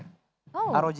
ada yang namanya rog connect